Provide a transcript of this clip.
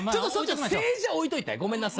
政治は置いといてごめんなさい。